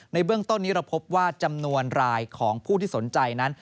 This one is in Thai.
ในเบื้องต้นนี้เราพบว่าจำนวนรายของผู้ที่สนใจนั้น